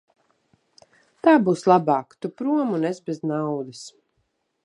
Tā būs labāk; tu prom un es bez naudas.